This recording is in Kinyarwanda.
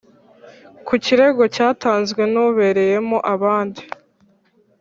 Ku kirego cyatanzwe n ubereyemo abandi